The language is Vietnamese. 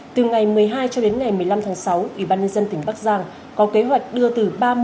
từ ngày một mươi hai cho đến ngày một mươi năm tháng sáu ủy ban nhân dân tỉnh bắc giang có kế hoạch đưa từ